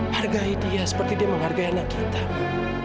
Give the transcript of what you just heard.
hargai dia seperti dia menghargai anak kita ma